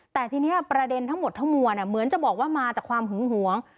แต่ทีนี้ประเด็นทั้งหมดทั้งมวลเหมือนจะบอกว่ามาจากความหึงหวง